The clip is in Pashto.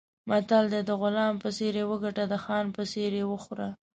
متل دی: د غلام په څېر یې وګټه، د خان په څېر یې وخوره.